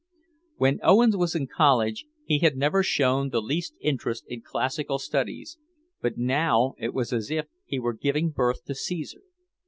When Owens was in college he had never shown the least interest in classical studies, but now it was as if he were giving birth to Caesar.